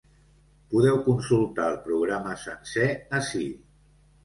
Podeu consultar el programa sencer ací.